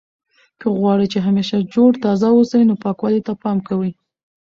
که غواړئ چې همیشه جوړ تازه اوسئ نو پاکوالي ته پام کوئ.